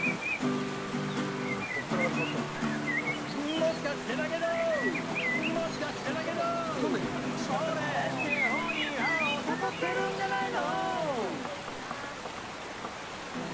もしかしてだけどもしかしてだけどこれって、おいらを誘っているんじゃないの？